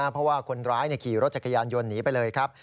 เพราะว่าคนร้ายขี่รถจักรยานยนต์หนีไปเลยครับ